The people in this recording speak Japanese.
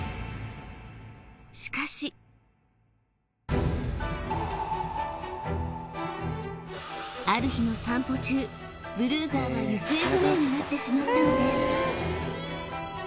しかしある日の散歩中ブルーザーは行方不明になってしまったのです